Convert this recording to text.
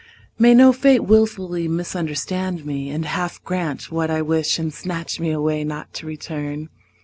May no fate willfully misunderstand me And half grant what I wish and snatch me away Not to return.